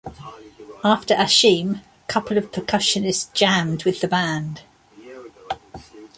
After Asheem, couple of percussionists jammed with the band.